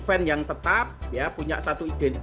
event yang tetap ya punya satu ide